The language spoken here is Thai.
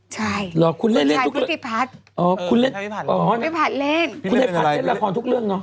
ใช่คุณชายพิษฎิพัฒน์พิษฎิพัฒน์เล่นพิษฎิพัฒน์เล่นละครทุกเรื่องเนอะ